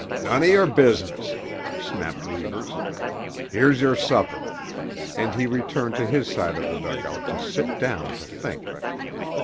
"None of your business," snapped Reivers. "Here's your supper." And he returned to his side of the dugout to sit down to think.